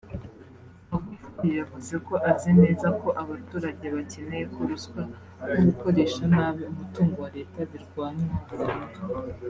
Magufuli yavuze ko azi neza ko abaturage bakeneye ko ruswa no gukoresha nabi umutungo wa leta birwanywa burundu